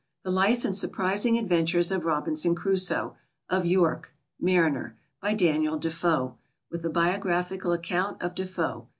The Life and Surprising Adventures of Robinson Crusoe, of York, Mariner. By DANIEL DEFOE. With a Biographical Account of Defoe.